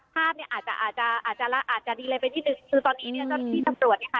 ภาพเนี่ยอาจจะอาจจะอาจจะดีเลยไปนิดนึงคือตอนนี้เนี่ยเจ้าหน้าที่ตำรวจเนี่ยค่ะ